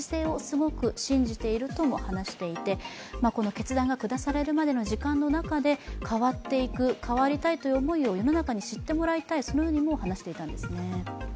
決断が下されるまでの時間の中で変わっていく、変わりたいという思いを世の中に知ってもらいたい、そのように話していたんですね。